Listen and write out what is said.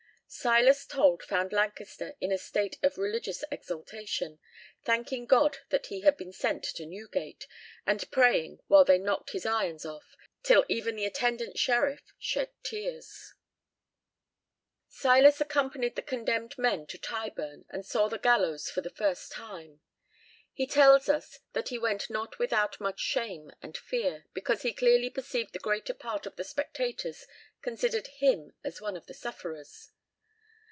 Silas Told found Lancaster in a state of religious exaltation, thanking God that he had been sent to Newgate, and praying while they knocked his irons off, till even the attendant sheriff shed tears. [Illustration: Rev. Mr. Whitfield Preaching on Kennington Common] Silas accompanied the condemned men to Tyburn, and saw the gallows for the first time. He tells us that he went not without much shame and fear, because he clearly perceived the greater part of the spectators considered him as one of the sufferers.